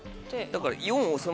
だから。